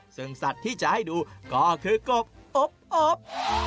ซึ่งสัตว์ที่จะให้ดูก็คือกบอบ